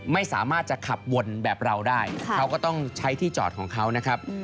ไม่สามารถจะขับวนแบบเราได้เขาก็ต้องใช้ที่จอดของเขานะครับ